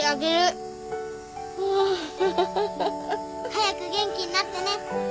早く元気になってね。